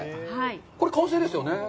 これ完成ですよね。